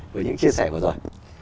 với những chia sẻ vừa rồi